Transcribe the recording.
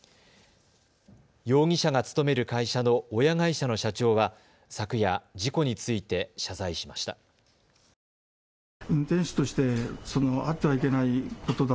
容疑者が勤める会社の親会社の社長は昨夜、事故について謝罪しました。